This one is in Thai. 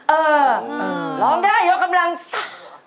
เออร้องได้ยกกำลังซ่า